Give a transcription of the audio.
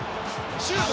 シュート！